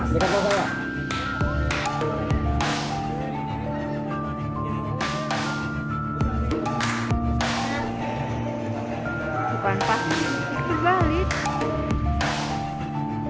bukan pasti terbalik